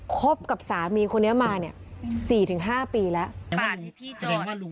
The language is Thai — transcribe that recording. คบกับสามีคนนี้มาเนี่ย๔๕ปีแล้ว